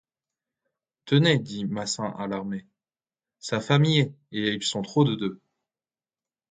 Tenez, dit Massin alarmé, sa femme y est, ils sont trop de deux!